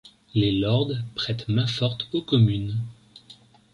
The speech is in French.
Les lords prêtent main-forte aux communes.